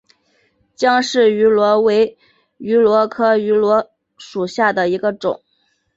姜氏芋螺为芋螺科芋螺属下的一个种。